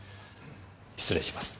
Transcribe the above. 失礼します。